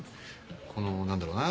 この何だろうな